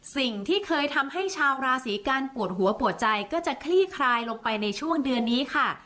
สิ่งที่เคยทำให้ชาวราศีกันปวดหัวปวดใจก็จะคลี่คลายลงไปในช่วงเดือนนี้ค่ะ